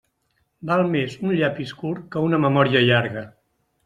Val més un llapis curt que una memòria llarga.